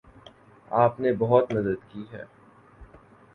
آپ نے بہت مدد کی ہے